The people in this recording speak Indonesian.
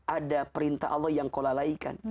ada perintah allah yang kau lalaikan